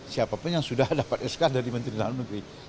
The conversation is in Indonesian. siapa pun yang sudah dapat eskar dari menteri dalam negeri